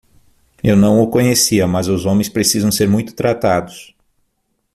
Eu não o conhecia, mas os homens precisam ser muito tratados.